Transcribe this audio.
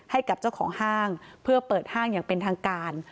ให้กับเจ้าของห้างเพื่อเปิดห้างอย่างเป็นทางการ